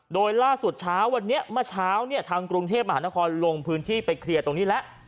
โดยล่าสุดเช้าวันนี้เมื่อเช้าเนี่ยทางกรุงเทพมหานครลงพื้นที่ไปเคลียร์ตรงนี้แล้ว